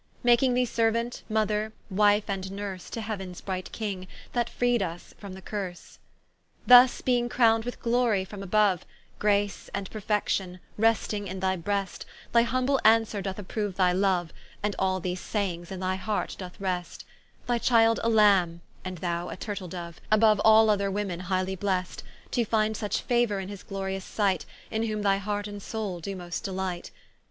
Making thee Seruant, Mother, Wife, and Nurse To Heauens bright King, that freed vs from the curse. Thus being crown'd with glory from aboue, Grace and Perfection, resting in thy breast, Thy humble answer doth approoue thy Loue, And all these sayings in thy heart doe rest: Thy Child a Lambe, and thou a Turtle doue, Aboue all other women highly blest; To find such fauour in his glorious sight, In whom thy heart and soule doe most delight.